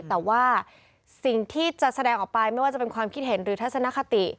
แต่ว่าสิ่งที่จะแสดงออกไปไม่ว่าจะเป็นความคิดเห็นหรือทัศนคติ